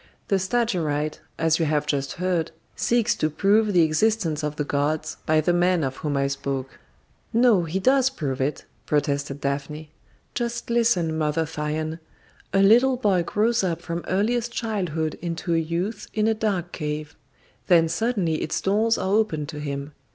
"The Stagirite, as you have just heard, seeks to prove the existence of the gods by the man of whom I spoke." "No, he does prove it," protested Daphne. "Just listen, Mother Thyone. A little boy grows up from earliest childhood into a youth in a dark cave. Then suddenly its doors are opened to him.